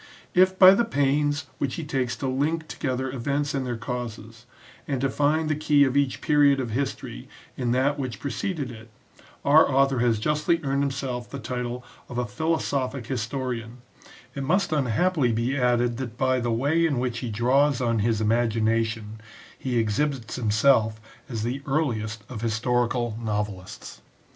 If by the pains which he takes to link together events and their causes, and to find the key of each period of history in that which preceded it, our author has justly earned himself the title of a philosophic his torian, it must unhappily be added that by the way in which he draws on his imagination, he exhibits himself as the earliest of historical novelists.